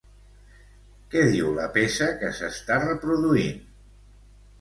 Què diu la peça que s'està reproduint?